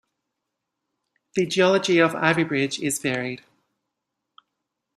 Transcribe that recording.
The geology of Ivybridge is varied.